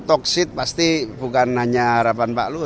ya toksik pasti bukan hanya harapan pak lu